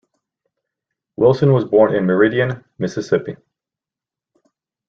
Wilson was born in Meridian, Mississippi.